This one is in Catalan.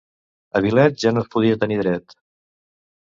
A Vilet ja no es podia tenir dret.